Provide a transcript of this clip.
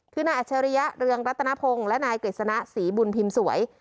คือนายอัชริยะเรืองรัตนพงศ์และนายกฤษณะศรีบุญพิมพ์สวย